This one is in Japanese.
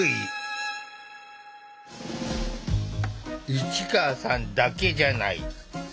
市川さんだけじゃない。